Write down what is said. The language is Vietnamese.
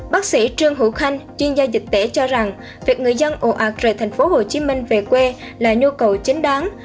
bác sĩ trương hữu khanh chuyên gia dịch tễ cho rằng việc người dân ồ ạc rời tp hồ chí minh về quê là nhu cầu chính đáng